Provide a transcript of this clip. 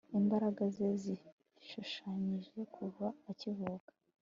imbaraga ze zishushanyije kuva akivuka